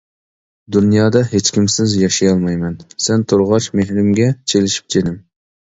دۇنيادا ھېچكىمسىز ياشىيالايمەن، سەن تۇرغاچ مېھرىمگە چىلىشىپ، جېنىم.